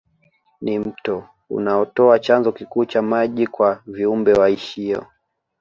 Ni mto unaotoa chanzo kikuu cha maji kwa viumbe waishio